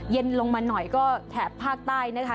เย็นลงมาหน่อยก็แถบภาคใต้นะคะ